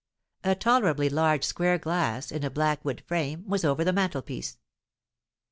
A tolerably large square glass, in a black wood frame, was over the mantelpiece.